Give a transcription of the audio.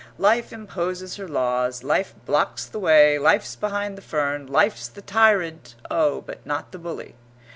Life imposes her laws; life blocks the way; life's behind the fern; life's the tyrant; oh, but not the bully!